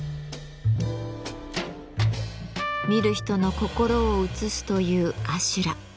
見る人の心を映すという阿修羅。